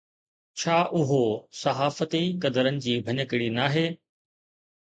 ڇا اهو صحافتي قدرن جي ڀڃڪڙي ناهي؟